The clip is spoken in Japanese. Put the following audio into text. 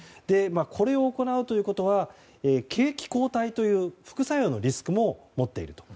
これを行うということは景気後退という副作用のリスクも持っていると。